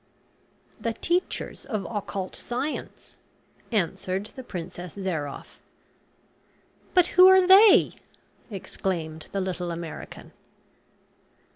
"The teachers of occult science," answered the Princess Zairoff. "But who are they?" exclaimed the little American.